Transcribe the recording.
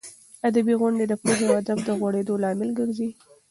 ادبي غونډې د پوهې او ادب د غوړېدو لامل ګرځي.